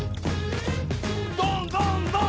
どんどんどん！